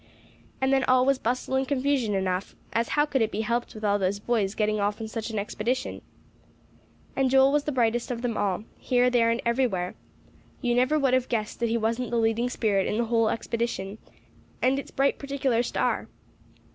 And then all was bustle and confusion enough, as how could it be helped with all those boys getting off on such an expedition? And Joel was the brightest of them all, here, there, and everywhere! You never would have guessed that he wasn't the leading spirit in the whole expedition, and its bright particular star!